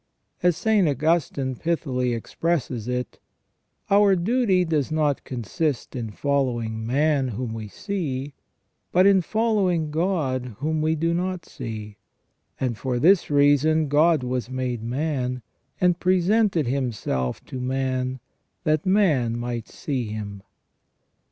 As St. Augustine pithily expresses it :" Our duty does not consist in following man whom we see, but in following God whom we do not see j and for this reason God was made man, and presented Him self to man, that man might see Him."